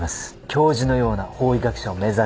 教授のような法医学者を目指して。